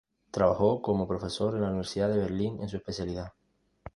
Trabajó como profesor en la Universidad de Berlín en su especialidad.